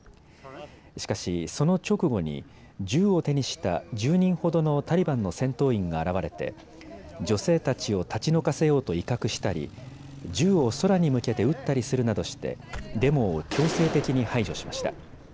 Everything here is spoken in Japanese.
しかし、その直後に銃を手にした１０人ほどのタリバンの戦闘員が現れて女性たちを立ち退かせようと威嚇したり、銃を空に向けて撃ったりするなどしてデモを強制的に排除しました。